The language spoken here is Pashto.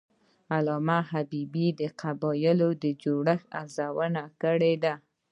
علامه حبیبي د قبایلي جوړښتونو ارزونه کړې ده.